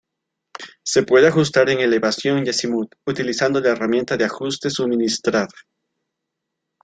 Se puede ajustar en elevación y acimut, utilizando la herramienta de ajuste suministrada.